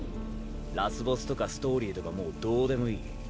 ラスボスとかストーリーとかもうどうでもいい。